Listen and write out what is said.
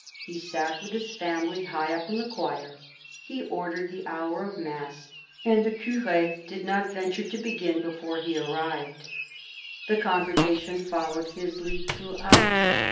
He sat with his family high up in the choir. He ordered the hour of mass, and the cure did not venture to begin before he arrived. The congre gation followed his lead throughout.